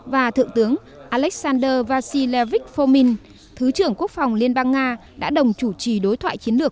và thượng tướng alexander vacilevik formin thứ trưởng quốc phòng liên bang nga đã đồng chủ trì đối thoại chiến lược